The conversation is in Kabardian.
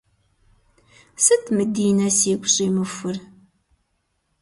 Сыт мы Динэ сигу щӏимыхур?